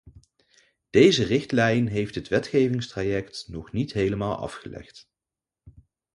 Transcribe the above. Deze richtlijn heeft het wetgevingstraject nog niet helemaal afgelegd.